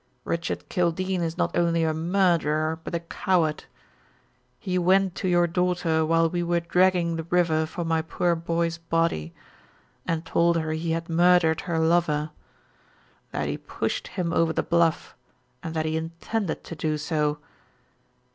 Richard Kildene is not only a murderer, but a coward. He went to your daughter while we were dragging the river for my poor boy's body, and told her he had murdered her lover; that he pushed him over the bluff and that he intended to do so.